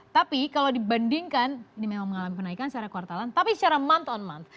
tapi kalau dibandingkan ini memang mengalami kenaikan secara kuartalan tapi secara mont on month